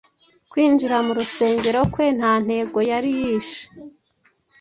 kwinjira mu rusengero kwe nta tegeko yari yishe.